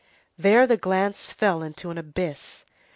There the glance fell into an abyss.